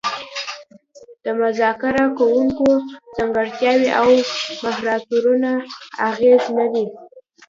د مذاکره کوونکو ځانګړتیاوې او مهارتونه اغیز لري